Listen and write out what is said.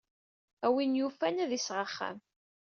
A win yufan, ad d-iseɣ axxam.